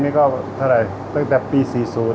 สวัสดีครับผมชื่อสามารถชานุบาลชื่อเล่นว่าขิงถ่ายหนังสุ่นแห่ง